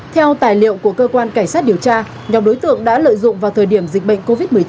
theo tài liệu của cơ quan cảnh sát điều tra nhóm đối tượng đã lợi dụng vào thời điểm dịch bệnh covid một mươi chín